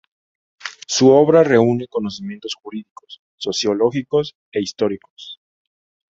Su obra reúne conocimientos jurídicos, sociológicos e históricos.